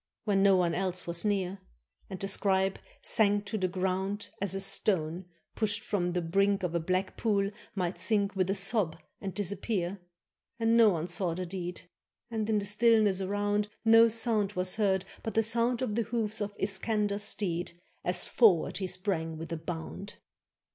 When no one else was near; And the scribe sank to the ground, 476 SCANDERBEG As a stone, pushed from the brink Of a black pool, might sink With a sob and disappear; And no one saw the deed ; And in the stillness around No sound was heard but the sound Of the hoofs of Iskander's steed, As forward he sprang with a bound.